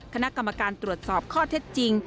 คณะกรรมการตรวจสอบข้อเท็จจริง